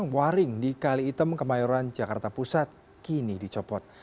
waring di kali item kemayoran jakarta pusat kini dicopot